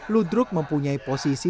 ludruk mempunyai posisi